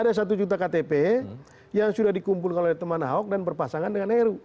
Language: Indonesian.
ada satu juta ktp yang sudah dikumpulkan oleh teman ahok dan berpasangan dengan heru